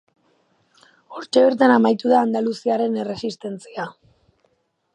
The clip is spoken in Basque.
Hortxe bertan amaitu da andaluziarren erresistentzia.